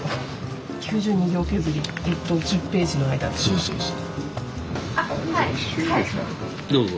そうそうそう。